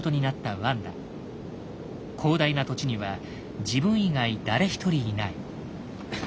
広大な土地には自分以外誰一人いない。